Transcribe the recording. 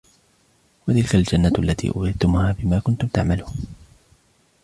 وتلك الجنة التي أورثتموها بما كنتم تعملون